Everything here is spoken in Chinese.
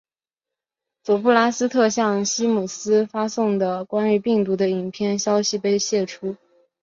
佐布拉斯特向西姆斯发送的关于病毒的影片消息被泄出。